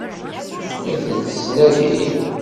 La tent-tettnadi?